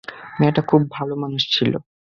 মেয়েটা খুব ভালো মানুষ ছিল।